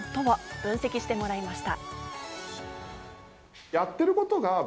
分析してもらいました。